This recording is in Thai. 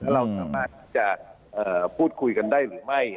เราสามารถที่จะพูดคุยกันได้หรือไม่